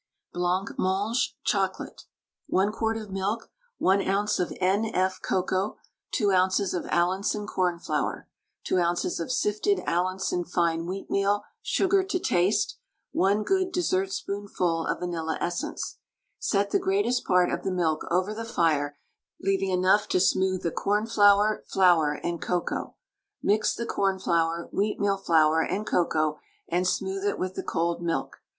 BLANCMANGE (CHOCOLATE). 1 quart of milk, 1 oz. of N.F. cocoa, 2 oz. of Allinson cornflour, 2 oz. of sifted Allinson fine wheatmeal, sugar to taste, 1 good dessertspoonful of vanilla essence. Set the greatest part of the milk over the fire, leaving enough to smooth the cornflour, flour, and cocoa. Mix the cornflour, wheatmeal flour, and cocoa, and smooth it with the cold milk.